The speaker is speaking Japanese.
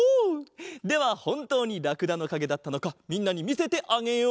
ではほんとうにらくだのかげだったのかみんなにみせてあげよう。